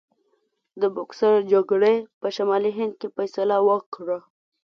د بوکسر جګړې په شمالي هند کې فیصله وکړه.